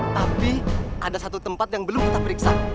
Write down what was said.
tapi ada satu tempat yang belum kita periksa